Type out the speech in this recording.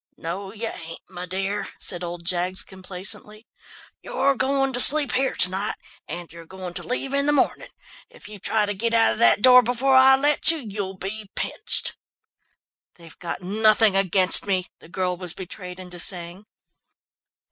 "No you ain't, my dear," said old Jaggs complacently. "You're going to sleep here to night, and you're going to leave in the morning. If you try to get out of that door before I let you, you'll be pinched." "They've got nothing against me," the girl was betrayed into saying.